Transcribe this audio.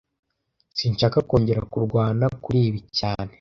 Sinshaka kongera kurwana kuri ibi cyane